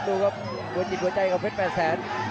ดูครับด้วยจิตหัวใจกับเพชรเป็นแสน